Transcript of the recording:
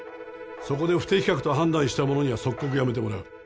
そこで不適格と判断した者には即刻辞めてもらう。